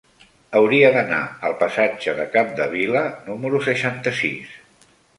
Hauria d'anar al passatge de Capdevila número seixanta-sis.